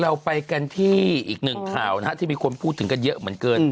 เราไปกันที่อีก๑คราวที่มีคนพูดถึงกันเยอะเหมือนเกิน